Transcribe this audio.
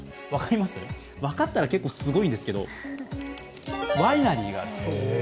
分かったら結構すごいんですけどワイナリーがあるそうです。